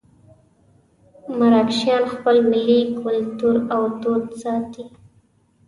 مراکشیان خپل ملي کولتور او دود ساتي.